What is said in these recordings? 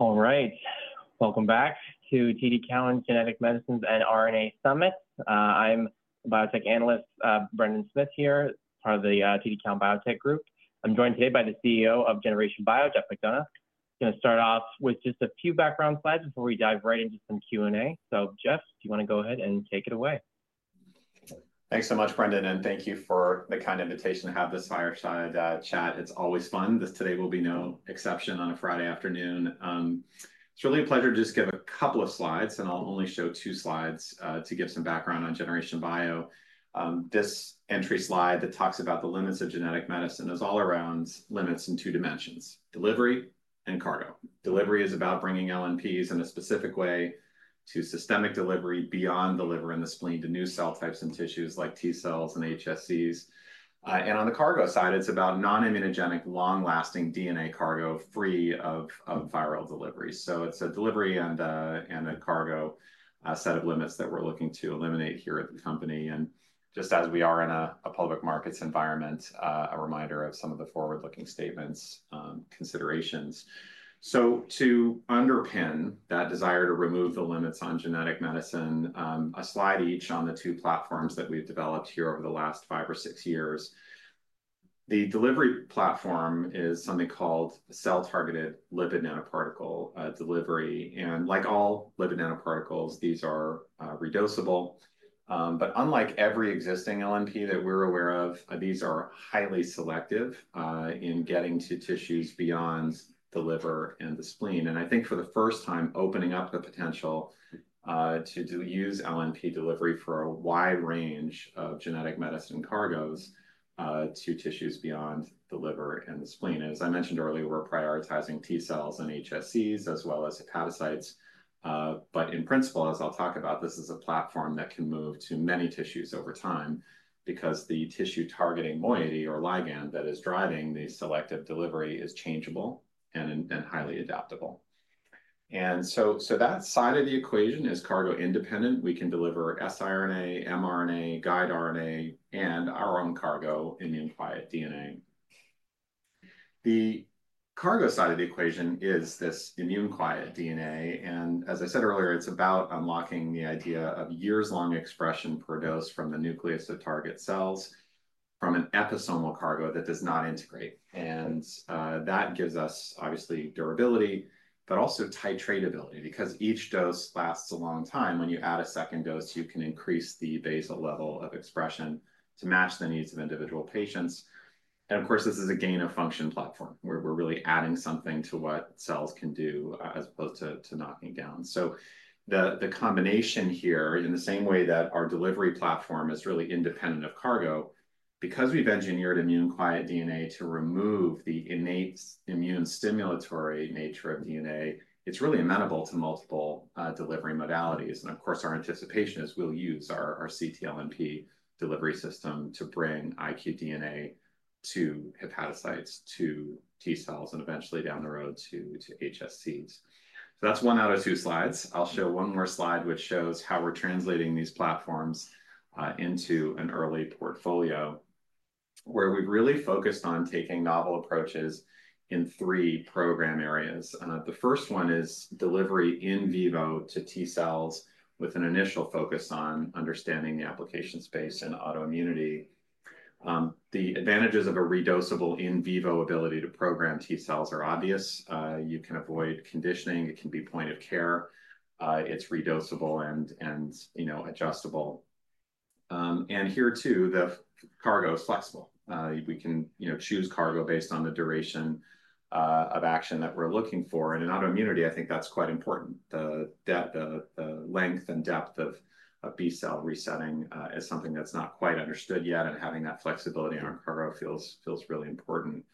All right. Welcome back to TD Cowen's Genetic Medicines and RNA Summit. I'm biotech analyst Brendan Smith here, part of the TD Cowen Biotech Group. I'm joined today by the CEO of Generation Bio, Geoffrey McDonough. I'm going to start off with just a few background slides before we dive right into some Q&A. So, Geoff, do you want to go ahead and take it away? Thanks so much, Brendan, and thank you for the kind invitation to have this fireside chat. It's always fun. Today will be no exception on a Friday afternoon. It's really a pleasure to just give a couple of slides, and I'll only show two slides to give some background on Generation Bio. This entry slide that talks about the limits of genetic medicine is all around limits in two dimensions: delivery and cargo. Delivery is about bringing LNPs in a specific way to systemic delivery beyond the liver and the spleen to new cell types and tissues like T cells and HSCs. And on the cargo side, it's about non-immunogenic, long-lasting DNA cargo free of viral delivery. So it's a delivery and a cargo set of limits that we're looking to eliminate here at the company. Just as we are in a public markets environment, a reminder of some of the forward-looking statements, considerations. To underpin that desire to remove the limits on genetic medicine, a slide each on the two platforms that we've developed here over the last five or six years. The delivery platform is something called cell-targeted lipid nanoparticle delivery. And like all lipid nanoparticles, these are re-dosable. But unlike every existing LNP that we're aware of, these are highly selective in getting to tissues beyond the liver and the spleen. And I think for the first time, opening up the potential to use LNP delivery for a wide range of genetic medicine cargoes to tissues beyond the liver and the spleen. As I mentioned earlier, we're prioritizing T cells and HSCs as well as hepatocytes. But in principle, as I'll talk about, this is a platform that can move to many tissues over time because the tissue-targeting moiety or ligand that is driving the selective delivery is changeable and highly adaptable. And so that side of the equation is cargo independent. We can deliver siRNA, mRNA, guide RNA, and our own cargo immune-quiet DNA. The cargo side of the equation is this immune-quiet DNA. And as I said earlier, it's about unlocking the idea of years-long expression per dose from the nucleus of target cells from an episomal cargo that does not integrate. And that gives us, obviously, durability, but also titratability because each dose lasts a long time. When you add a second dose, you can increase the basal level of expression to match the needs of individual patients. And of course, this is a gain-of-function platform where we're really adding something to what cells can do as opposed to knocking down. So the combination here, in the same way that our delivery platform is really independent of cargo, because we've engineered immune-quiet DNA to remove the innate immune stimulatory nature of DNA, it's really amenable to multiple delivery modalities. And of course, our anticipation is we'll use our ctLNP delivery system to bring iqDNA to hepatocytes, to T cells, and eventually down the road to HSCs. So that's one out of two slides. I'll show one more slide, which shows how we're translating these platforms into an early portfolio where we've really focused on taking novel approaches in three program areas. The first one is delivery in vivo to T cells with an initial focus on understanding the application space and autoimmunity. The advantages of a re-dosable in vivo ability to program T cells are obvious. You can avoid conditioning. It can be point of care. It's re-dosable and adjustable. And here, too, the cargo is flexible. We can choose cargo based on the duration of action that we're looking for. And in autoimmunity, I think that's quite important. The length and depth of B cell resetting is something that's not quite understood yet. And having that flexibility in our cargo feels really important.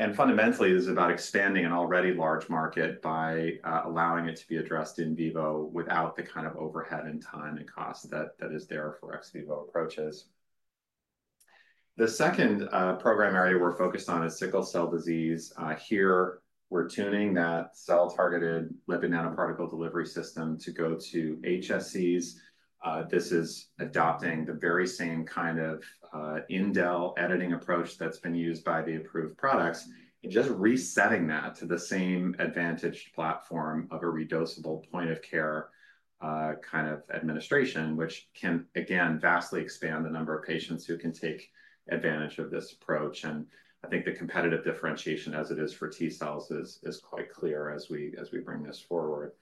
And fundamentally, this is about expanding an already large market by allowing it to be addressed in vivo without the kind of overhead and time and cost that is there for ex vivo approaches. The second program area we're focused on is sickle cell disease. Here, we're tuning that cell-targeted lipid nanoparticle delivery system to go to HSCs. This is adopting the very same kind of indel editing approach that's been used by the approved products and just resetting that to the same advantaged platform of a re-dosable point of care kind of administration, which can, again, vastly expand the number of patients who can take advantage of this approach. I think the competitive differentiation, as it is for T cells, is quite clear as we bring this forward.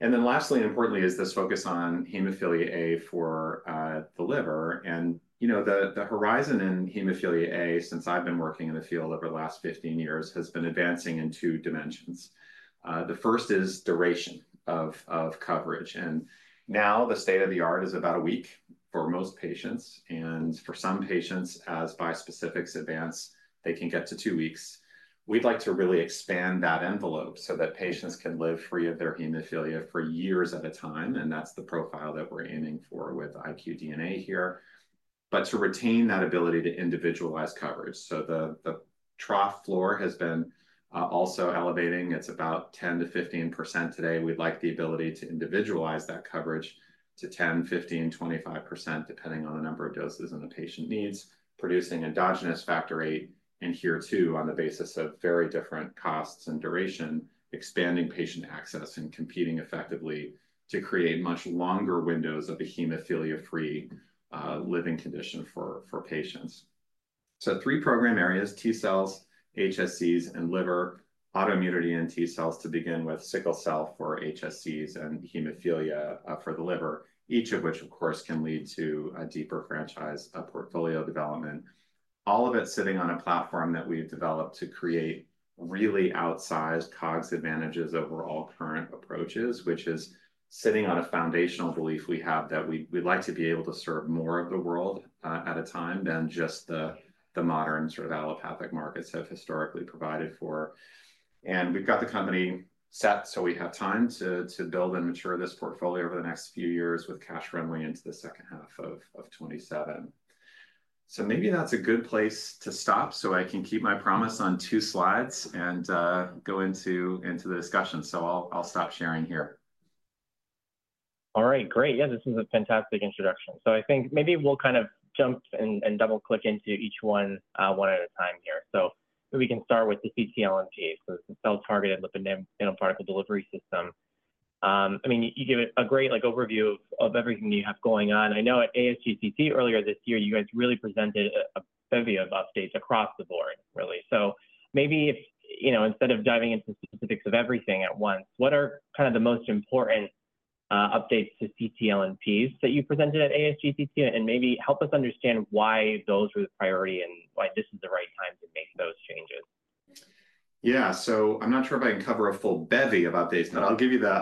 Then lastly, importantly, is this focus on hemophilia A for the liver. The horizon in hemophilia A, since I've been working in the field over the last 15 years, has been advancing in two dimensions. The first is duration of coverage. Now the state of the art is about a week for most patients. For some patients, as bispecifics advance, they can get to two weeks. We'd like to really expand that envelope so that patients can live free of their hemophilia for years at a time. And that's the profile that we're aiming for with iqDNA here. But to retain that ability to individualize coverage. So the trough floor has been also elevating. It's about 10%-15% today. We'd like the ability to individualize that coverage to 10%, 15%, 25%, depending on the number of doses and the patient needs, producing endogenous Factor VIII, and here, too, on the basis of very different costs and duration, expanding patient access and competing effectively to create much longer windows of a hemophilia-free living condition for patients. So three program areas: T cells, HSCs, and liver. Autoimmunity in T cells to begin with, sickle cell for HSCs, and hemophilia for the liver, each of which, of course, can lead to a deeper franchise portfolio development. All of it sitting on a platform that we've developed to create really outsized COGS advantages over all current approaches, which is sitting on a foundational belief we have that we'd like to be able to serve more of the world at a time than just the modern sort of allopathic markets have historically provided for. We've got the company set, so we have time to build and mature this portfolio over the next few years with cash runway into the second half of 2027. So maybe that's a good place to stop so I can keep my promise on 2 slides and go into the discussion. So I'll stop sharing here. All right. Great. Yeah, this is a fantastic introduction. So I think maybe we'll kind of jump and double-click into each one one at a time here. So maybe we can start with the ctLNP, so the cell-targeted lipid nanoparticle delivery system. I mean, you gave a great overview of everything that you have going on. I know at ASGCT earlier this year, you guys really presented a bevy of updates across the board, really. So maybe instead of diving into the specifics of everything at once, what are kind of the most important updates to ctLNPs that you presented at ASGCT? And maybe help us understand why those were the priority and why this is the right time to make those changes. Yeah. So I'm not sure if I can cover a full bevy of updates, but I'll give you the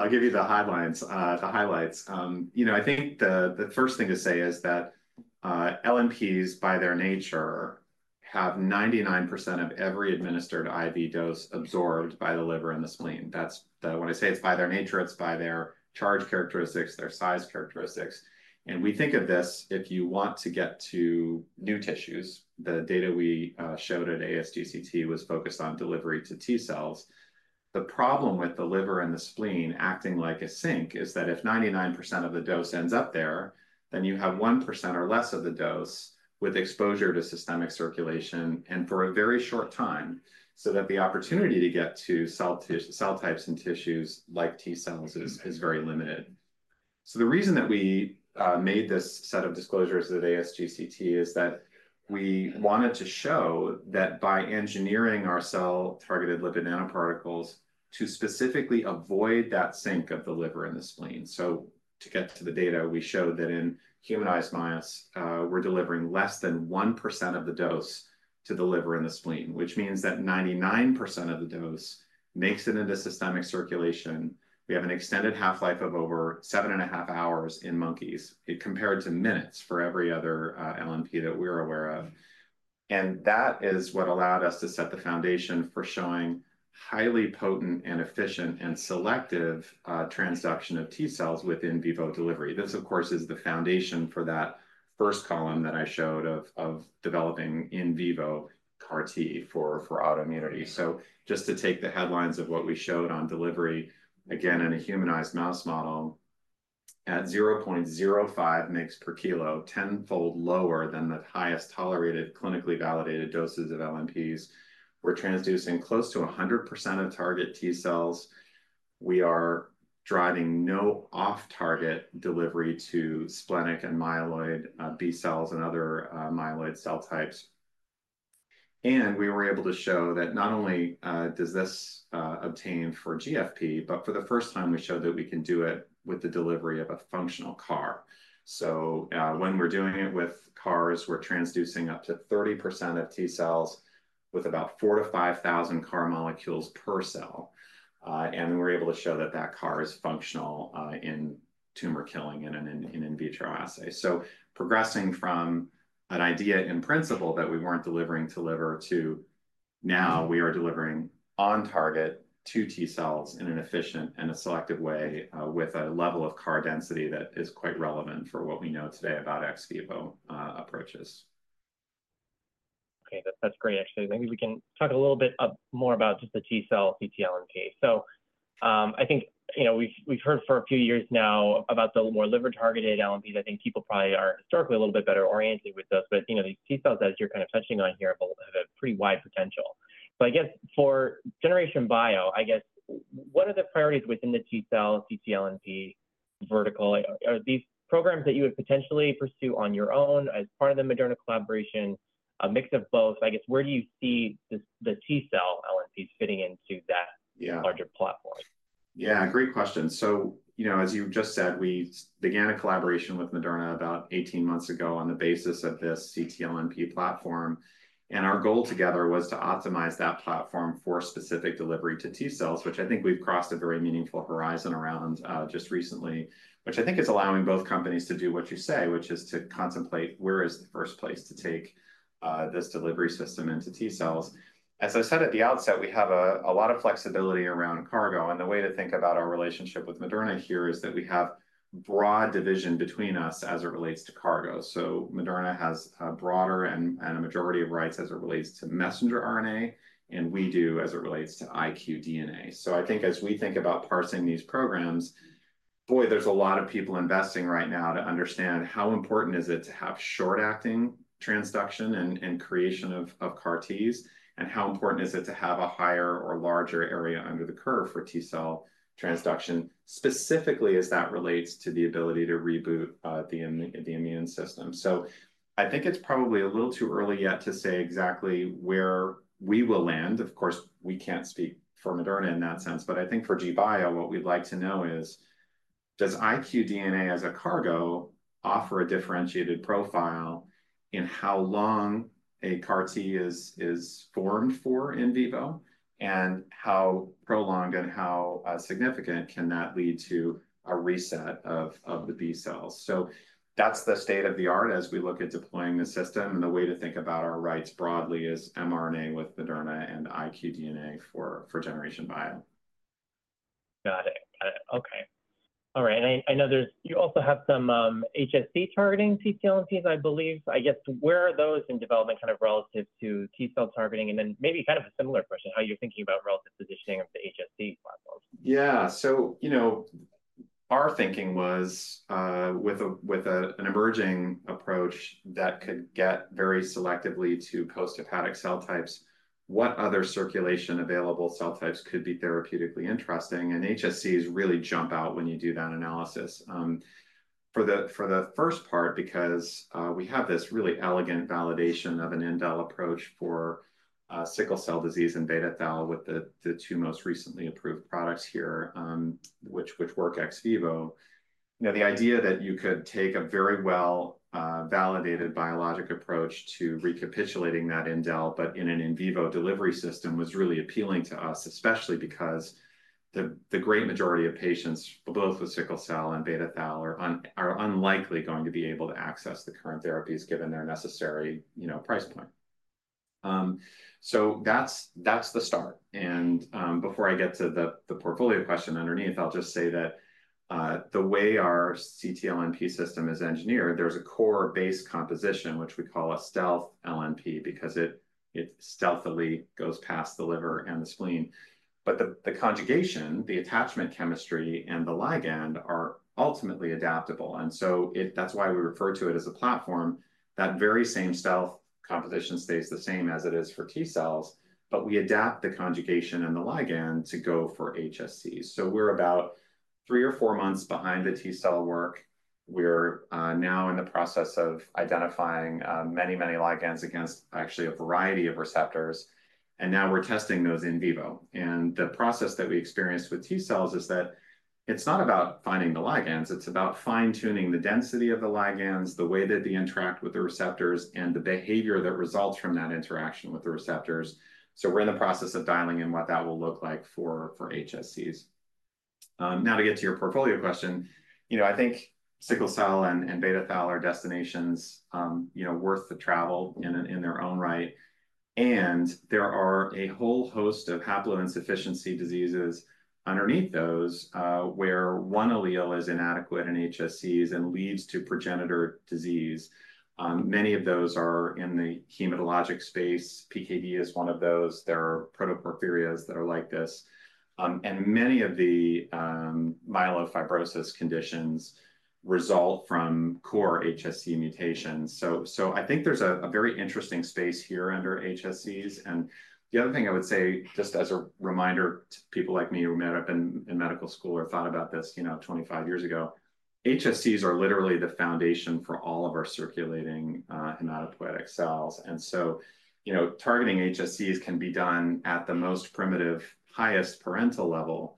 highlights. I think the first thing to say is that LNPs, by their nature, have 99% of every administered IV dose absorbed by the liver and the spleen. When I say it's by their nature, it's by their charge characteristics, their size characteristics. And we think of this, if you want to get to new tissues, the data we showed at ASGCT was focused on delivery to T cells. The problem with the liver and the spleen acting like a sink is that if 99% of the dose ends up there, then you have 1% or less of the dose with exposure to systemic circulation and for a very short time, so that the opportunity to get to cell types and tissues like T cells is very limited. So the reason that we made this set of disclosures at ASGCT is that we wanted to show that by engineering our cell-targeted lipid nanoparticles to specifically avoid that sink of the liver and the spleen. So to get to the data, we showed that in humanized mice, we're delivering less than 1% of the dose to the liver and the spleen, which means that 99% of the dose makes it into systemic circulation. We have an extended half-life of over 7.5 hours in monkeys compared to minutes for every other LNP that we're aware of. And that is what allowed us to set the foundation for showing highly potent and efficient and selective transduction of T cells with in vivo delivery. This, of course, is the foundation for that first column that I showed of developing in vivo CAR-T for autoimmunity. So just to take the headlines of what we showed on delivery, again, in a humanized mouse model, at 0.05 mg per kg, 10-fold lower than the highest tolerated clinically validated doses of LNPs. We're transducing close to 100% of target T cells. We are driving no off-target delivery to splenic and myeloid B cells and other myeloid cell types. And we were able to show that not only does this obtain for GFP, but for the first time, we showed that we can do it with the delivery of a functional CAR. So when we're doing it with CARs, we're transducing up to 30% of T cells with about 4,000-5,000 CAR molecules per cell. And we're able to show that that CAR is functional in tumor killing and in in vitro assay. Progressing from an idea in principle that we weren't delivering to liver to now we are delivering on target to T cells in an efficient and a selective way with a level of CAR density that is quite relevant for what we know today about ex vivo approaches. Okay. That's great, actually. Maybe we can talk a little bit more about just the T cell ctLNP. So I think we've heard for a few years now about the more liver-targeted LNPs. I think people probably are historically a little bit better oriented with those. But these T cells that you're kind of touching on here have a pretty wide potential. But I guess for Generation Bio, I guess, what are the priorities within the T cell ctLNP vertical? Are these programs that you would potentially pursue on your own as part of the Moderna collaboration, a mix of both? I guess, where do you see the T cell LNPs fitting into that larger platform? Yeah, great question. So as you just said, we began a collaboration with Moderna about 18 months ago on the basis of this ctLNP platform. And our goal together was to optimize that platform for specific delivery to T cells, which I think we've crossed a very meaningful horizon around just recently, which I think is allowing both companies to do what you say, which is to contemplate where is the first place to take this delivery system into T cells. As I said at the outset, we have a lot of flexibility around cargo. And the way to think about our relationship with Moderna here is that we have broad division between us as it relates to cargo. So Moderna has a broader and a majority of rights as it relates to messenger RNA, and we do as it relates to iqDNA. So I think as we think about parsing these programs, boy, there's a lot of people investing right now to understand how important is it to have short-acting transduction and creation of CAR-Ts, and how important is it to have a higher or larger area under the curve for T cell transduction, specifically as that relates to the ability to reboot the immune system. So I think it's probably a little too early yet to say exactly where we will land. Of course, we can't speak for Moderna in that sense. But I think for G Bio, what we'd like to know is, does IQ DNA as a cargo offer a differentiated profile in how long a CAR-T is formed for in vivo, and how prolonged and how significant can that lead to a reset of the B cells? That's the state of the art as we look at deploying the system. The way to think about our rights broadly is mRNA with Moderna and iqDNA for Generation Bio. Got it. Okay. All right. And I know you also have some HSC-targeting ctLNPs, I believe. I guess, where are those in development kind of relative to T cell targeting? And then maybe kind of a similar question, how you're thinking about relative positioning of the HSC platforms. Yeah. So our thinking was with an emerging approach that could get very selectively to extrahepatic cell types, what other circulation available cell types could be therapeutically interesting? And HSCs really jump out when you do that analysis. For the first part, because we have this really elegant validation of an indel approach for sickle cell disease and beta thal with the two most recently approved products here, which work ex vivo. The idea that you could take a very well-validated biologic approach to recapitulating that indel, but in an in vivo delivery system was really appealing to us, especially because the great majority of patients, both with sickle cell and beta thal, are unlikely going to be able to access the current therapies given their necessary price point. So that's the start. Before I get to the portfolio question underneath, I'll just say that the way our ctLNP system is engineered, there's a core base composition, which we call a stealth LNP because it stealthily goes past the liver and the spleen. The conjugation, the attachment chemistry, and the ligand are ultimately adaptable. That's why we refer to it as a platform. That very same stealth composition stays the same as it is for T cells, but we adapt the conjugation and the ligand to go for HSCs. We're about 3 or 4 months behind the T cell work. We're now in the process of identifying many, many ligands against actually a variety of receptors. Now we're testing those in vivo. The process that we experienced with T cells is that it's not about finding the ligands. It's about fine-tuning the density of the ligands, the way that they interact with the receptors, and the behavior that results from that interaction with the receptors. So we're in the process of dialing in what that will look like for HSCs. Now, to get to your portfolio question, I think sickle cell and beta thal are destinations worth the travel in their own right. And there are a whole host of haploinsufficiency diseases underneath those where one allele is inadequate in HSCs and leads to progenitor disease. Many of those are in the hematologic space. PKD is one of those. There are protoporphyrias that are like this. And many of the myelofibrosis conditions result from core HSC mutations. So I think there's a very interesting space here under HSCs. The other thing I would say, just as a reminder to people like me who met up in medical school or thought about this 25 years ago, HSCs are literally the foundation for all of our circulating hematopoietic cells. So targeting HSCs can be done at the most primitive, highest parental level.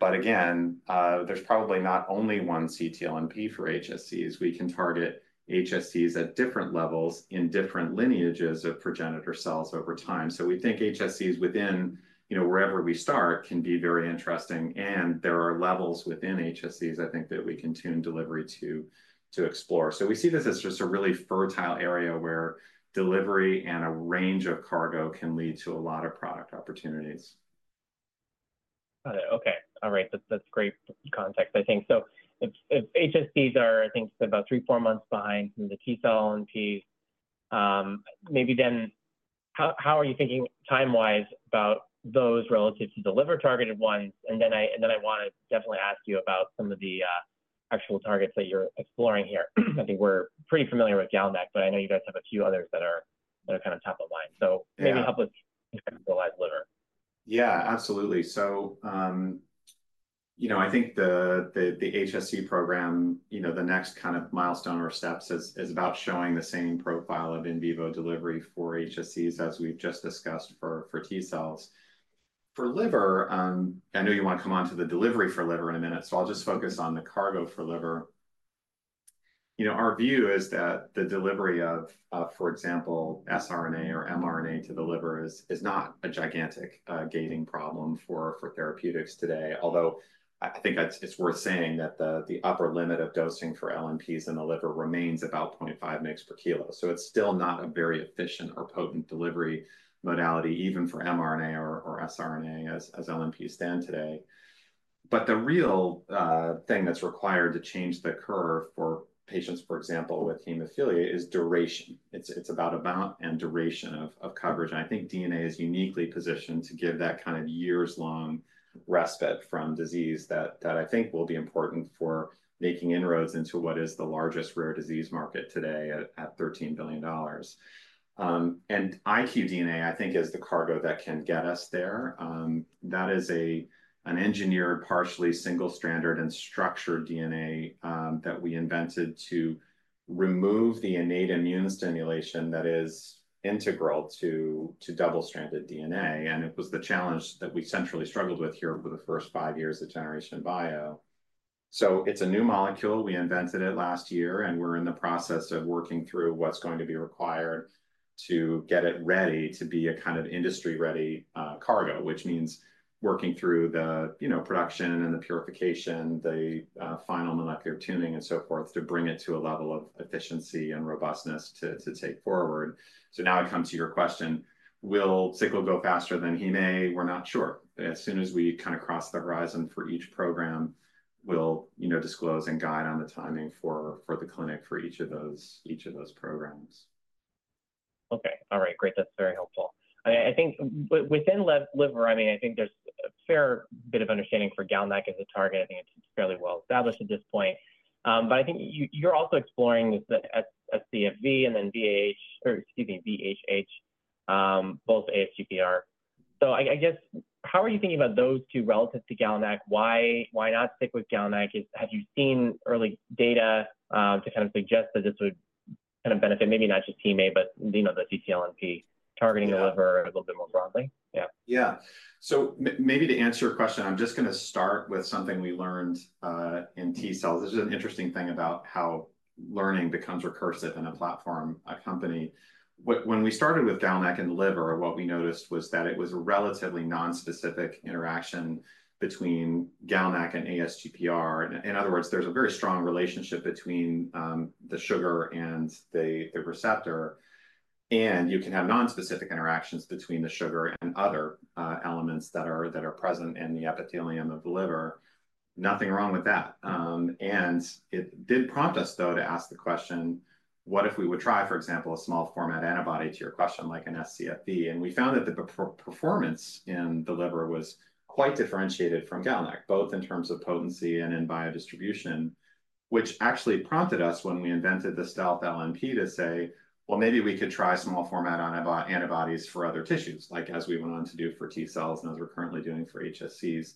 But again, there's probably not only one ctLNP for HSCs. We can target HSCs at different levels in different lineages of progenitor cells over time. So we think HSCs within wherever we start can be very interesting. And there are levels within HSCs, I think, that we can tune delivery to explore. So we see this as just a really fertile area where delivery and a range of cargo can lead to a lot of product opportunities. Got it. Okay. All right. That's great context, I think. So if HSCs are, I think, about 3-4 months behind from the T cell LNPs, maybe then how are you thinking time-wise about those relative to the liver-targeted ones? And then I want to definitely ask you about some of the actual targets that you're exploring here. I think we're pretty familiar with GalNAc, but I know you guys have a few others that are kind of top of mind. So maybe help us visualize liver. Yeah, absolutely. So I think the HSCs program, the next kind of milestone or steps is about showing the same profile of in vivo delivery for HSCs, as we've just discussed for T cells. For liver, I know you want to come on to the delivery for liver in a minute, so I'll just focus on the cargo for liver. Our view is that the delivery of, for example, siRNA or mRNA to the liver is not a gigantic gating problem for therapeutics today. Although I think it's worth saying that the upper limit of dosing for LNPs in the liver remains about 0.5 mg/kg. So it's still not a very efficient or potent delivery modality, even for mRNA or siRNA as LNPs stand today. But the real thing that's required to change the curve for patients, for example, with hemophilia is duration. It's about amount and duration of coverage. I think DNA is uniquely positioned to give that kind of years-long respite from disease that I think will be important for making inroads into what is the largest rare disease market today at $13 billion. iqDNA, I think, is the cargo that can get us there. That is an engineered, partially single-stranded and structured DNA that we invented to remove the innate immune stimulation that is integral to double-stranded DNA. It was the challenge that we centrally struggled with here for the first five years at Generation Bio. It's a new molecule. We invented it last year, and we're in the process of working through what's going to be required to get it ready to be a kind of industry-ready cargo, which means working through the production and the purification, the final molecular tuning, and so forth to bring it to a level of efficiency and robustness to take forward. So now I come to your question. Will Sickle go faster than Hem A? We're not sure. As soon as we kind of cross the horizon for each program, we'll disclose and guide on the timing for the clinic for each of those programs. Okay. All right. Great. That's very helpful. I think within liver, I mean, I think there's a fair bit of understanding for GalNAc as a target. I think it's fairly well established at this point. But I think you're also exploring this at scFv and then VHH, both ASGPR. So I guess, how are you thinking about those two relative to GalNAc? Why not stick with GalNAc? Have you seen early data to kind of suggest that this would kind of benefit maybe not just Hem A, but the ctLNP targeting the liver a little bit more broadly? Yeah. Yeah. So maybe to answer your question, I'm just going to start with something we learned in T cells. This is an interesting thing about how learning becomes recursive in a platform, a company. When we started with GalNAc and liver, what we noticed was that it was a relatively nonspecific interaction between GalNAc and ASGPR. In other words, there's a very strong relationship between the sugar and the receptor. And you can have nonspecific interactions between the sugar and other elements that are present in the epithelium of the liver. Nothing wrong with that. And it did prompt us, though, to ask the question, what if we would try, for example, a small-format antibody to your question, like an scFv? And we found that the performance in the liver was quite differentiated from GalNAc, both in terms of potency and in biodistribution, which actually prompted us when we invented the stealth LNP to say, well, maybe we could try small-format antibodies for other tissues, like as we went on to do for T cells and as we're currently doing for HSCs.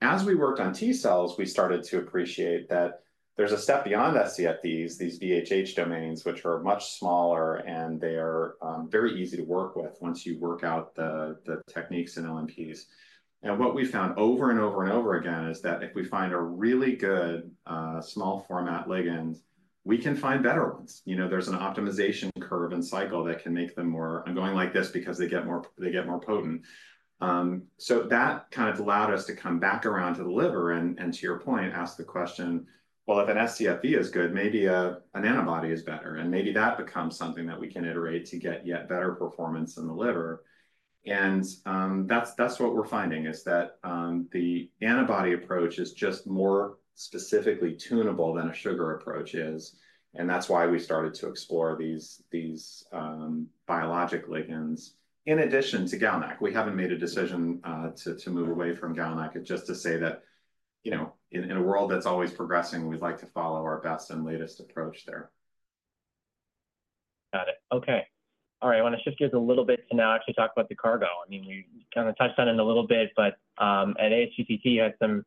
As we worked on T cells, we started to appreciate that there's a step beyond scFvs, these VHH domains, which are much smaller, and they are very easy to work with once you work out the techniques in LNPs. And what we found over and over and over again is that if we find a really good small-format ligand, we can find better ones. There's an optimization curve and cycle that can make them more ongoing like this because they get more potent. So that kind of allowed us to come back around to the liver and, to your point, ask the question, well, if an scFv is good, maybe an antibody is better. And maybe that becomes something that we can iterate to get yet better performance in the liver. And that's what we're finding, is that the antibody approach is just more specifically tunable than a sugar approach is. And that's why we started to explore these biologic ligands in addition to GalNAc. We haven't made a decision to move away from GalNAc. It's just to say that in a world that's always progressing, we'd like to follow our best and latest approach there. Got it. Okay. All right. I want to shift gears a little bit to now actually talk about the cargo. I mean, we kind of touched on it a little bit, but at ASGCT, you had some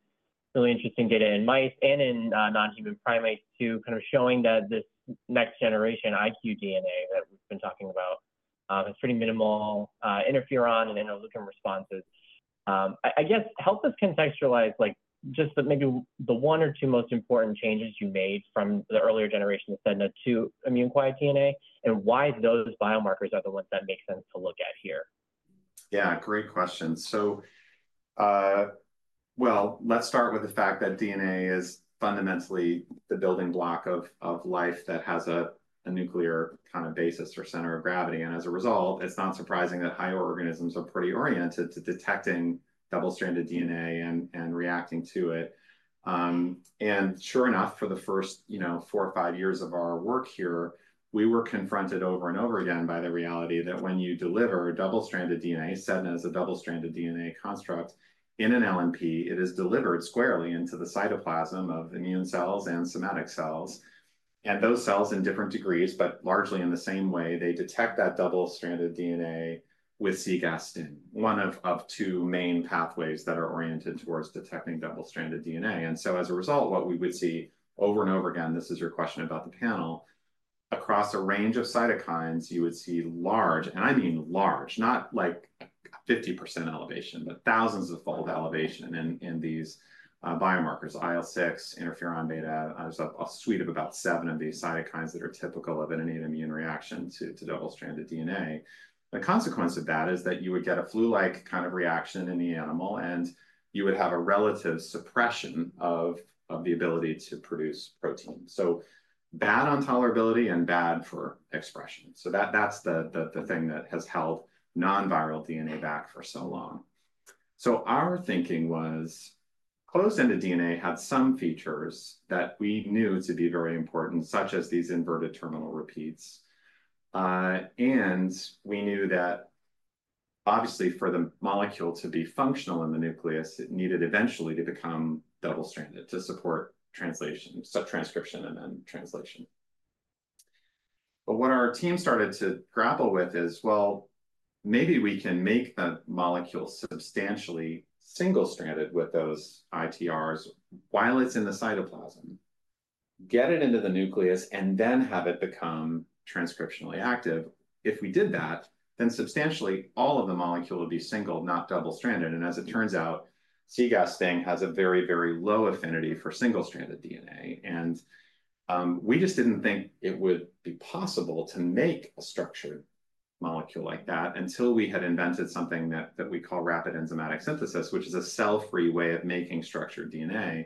really interesting data in mice and in non-human primates to kind of showing that this next-generation iqDNA that we've been talking about has pretty minimal interferon and interleukin responses. I guess, help us contextualize just maybe the one or two most important changes you made from the earlier generation of standard to immune-quiet DNA and why those biomarkers are the ones that make sense to look at here. Yeah, great question. So well, let's start with the fact that DNA is fundamentally the building block of life that has a nuclear kind of basis or center of gravity. And as a result, it's not surprising that higher organisms are pretty oriented to detecting double-stranded DNA and reacting to it. And sure enough, for the first four or five years of our work here, we were confronted over and over again by the reality that when you deliver double-stranded DNA, such as a double-stranded DNA construct in an LNP, it is delivered squarely into the cytoplasm of immune cells and somatic cells. And those cells in different degrees, but largely in the same way, they detect that double-stranded DNA with cGAS-STING, one of two main pathways that are oriented towards detecting double-stranded DNA. And so as a result, what we would see over and over again, this is your question about the panel, across a range of cytokines, you would see large, and I mean large, not like 50% elevation, but thousands of fold elevation in these biomarkers, IL-6, interferon beta. There's a suite of about seven of these cytokines that are typical of an innate immune reaction to double-stranded DNA. The consequence of that is that you would get a flu-like kind of reaction in the animal, and you would have a relative suppression of the ability to produce protein. So bad on tolerability and bad for expression. So that's the thing that has held non-viral DNA back for so long. So our thinking was closed-ended DNA had some features that we knew to be very important, such as these inverted terminal repeats. We knew that, obviously, for the molecule to be functional in the nucleus, it needed eventually to become double-stranded to support transcription and then translation. But what our team started to grapple with is, well, maybe we can make the molecule substantially single-stranded with those ITRs while it's in the cytoplasm, get it into the nucleus, and then have it become transcriptionally active. If we did that, then substantially all of the molecule would be single, not double-stranded. As it turns out, cGAS-STING has a very, very low affinity for single-stranded DNA. We just didn't think it would be possible to make a structured molecule like that until we had invented something that we call Rapid Enzymatic Synthesis, which is a cell-free way of making structured DNA.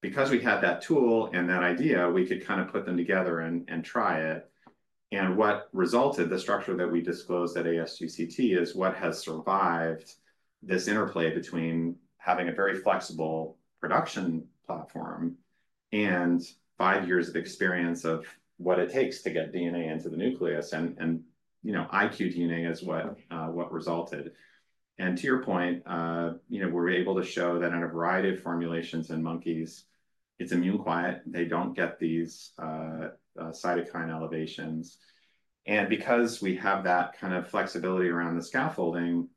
Because we had that tool and that idea, we could kind of put them together and try it. And what resulted, the structure that we disclosed at ASGCT, is what has survived this interplay between having a very flexible production platform and five years of experience of what it takes to get DNA into the nucleus. And iqDNA is what resulted. And to your point, we're able to show that in a variety of formulations in monkeys, it's immune-quiet. They don't get these cytokine elevations. And because we have that kind of flexibility around the scaffolding,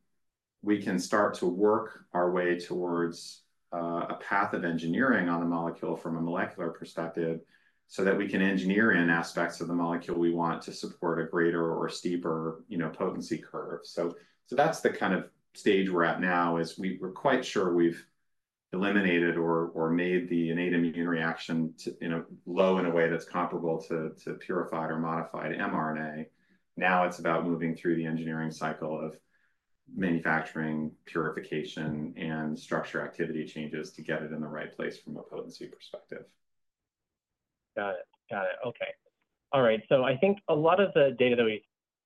we can start to work our way towards a path of engineering on the molecule from a molecular perspective so that we can engineer in aspects of the molecule we want to support a greater or steeper potency curve. That's the kind of stage we're at now is we're quite sure we've eliminated or made the innate immune reaction low in a way that's comparable to purified or modified mRNA. Now it's about moving through the engineering cycle of manufacturing, purification, and structure activity changes to get it in the right place from a potency perspective. Got it. Got it. Okay. All right. So I think a lot of the data that we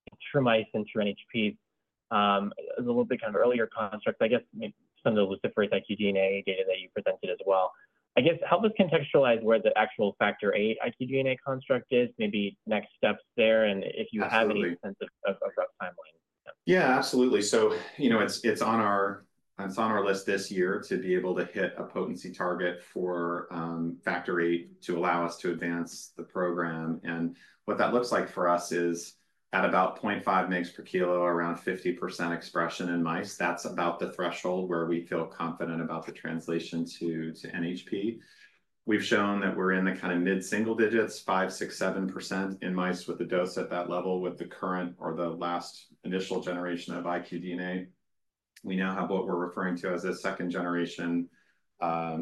get from mice and through NHP is a little bit kind of earlier construct. I guess some of the luciferase iqDNA data that you presented as well. I guess, help us contextualize where the actual Factor VIII iqDNA construct is, maybe next steps there, and if you have any sense of rough timeline. Yeah, absolutely. So it's on our list this year to be able to hit a potency target for Factor VIII to allow us to advance the program. And what that looks like for us is at about 0.5 mg/kg, around 50% expression in mice. That's about the threshold where we feel confident about the translation to NHP. We've shown that we're in the kind of mid-single digits, 5, 6, 7% in mice with a dose at that level with the current or the last initial generation of iqDNA. We now have what we're referring to as a second-generation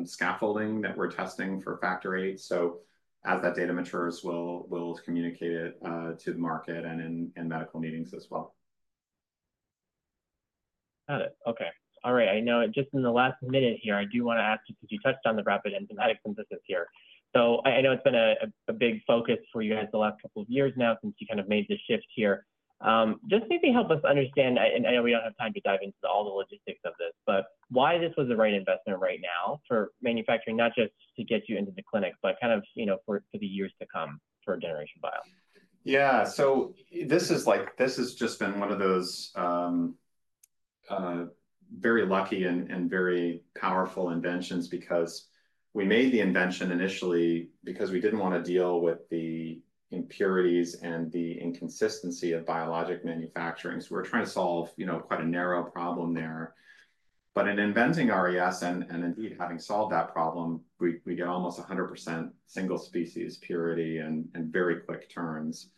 scaffolding that we're testing for Factor VIII. So as that data matures, we'll communicate it to the market and in medical meetings as well. Got it. Okay. All right. I know just in the last minute here, I do want to ask you because you touched on the Rapid Enzymatic Synthesis here. So I know it's been a big focus for you guys the last couple of years now since you kind of made the shift here. Just maybe help us understand, and I know we don't have time to dive into all the logistics of this, but why this was the right investment right now for manufacturing, not just to get you into the clinic, but kind of for the years to come for Generation Bio? Yeah. So this has just been one of those very lucky and very powerful inventions because we made the invention initially because we didn't want to deal with the impurities and the inconsistency of biologic manufacturing. So we're trying to solve quite a narrow problem there. But in inventing RES and indeed having solved that problem, we get almost 100% single-species purity and very quick turns.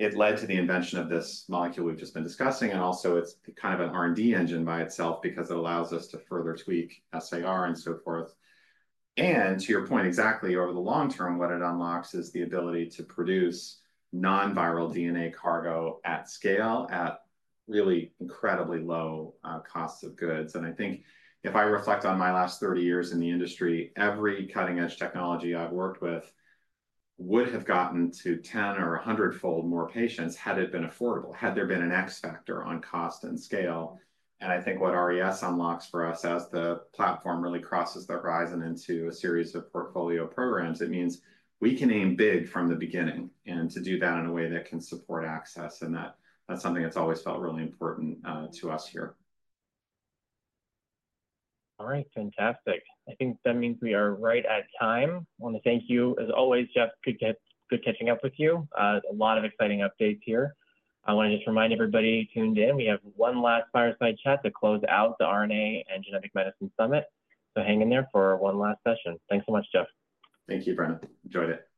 It led to the invention of this molecule we've just been discussing. And also, it's kind of an R&D engine by itself because it allows us to further tweak SAR and so forth. And to your point, exactly over the long term, what it unlocks is the ability to produce non-viral DNA cargo at scale at really incredibly low costs of goods. I think if I reflect on my last 30 years in the industry, every cutting-edge technology I've worked with would have gotten to 10- or 100-fold more patients had it been affordable, had there been an X factor on cost and scale. I think what RES unlocks for us as the platform really crosses the horizon into a series of portfolio programs, it means we can aim big from the beginning and to do that in a way that can support access. That's something that's always felt really important to us here. All right. Fantastic. I think that means we are right at time. I want to thank you, as always, Geoff, for catching up with you. A lot of exciting updates here. I want to just remind everybody tuned in, we have one last fireside chat to close out the Genetic Medicines and RNA Summit. So hang in there for one last session. Thanks so much, Geoff. Thank you, Brendan. Enjoyed it.